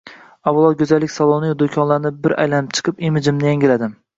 Avvalo, go'zallik saloniyu do'konlarni bir aylanib chiqib, imijimni yangiladim